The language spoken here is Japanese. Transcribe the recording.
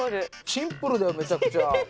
シンプルだよめちゃくちゃ。